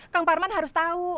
kang parman harus tau